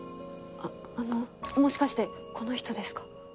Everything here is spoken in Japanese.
ああのもしかしてこの人ですか？